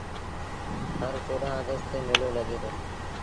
هر چوڏهآݩ اگيسٽ تي ميلو لڳي دو۔